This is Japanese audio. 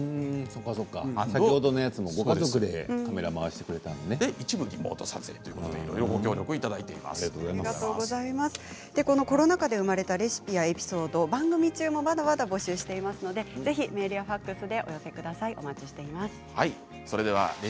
先ほどのやつもご家族でカメラをコロナ禍で生まれたレシピやエピソード番組中もまだまだ募集していますのでぜひメールやファックスでお寄せください、お待ちしてます。